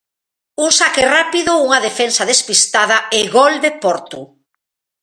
Un saque rápido, unha defensa despistada e gol de Portu.